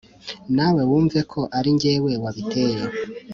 nawe wumveko arinjyewe wabiteye"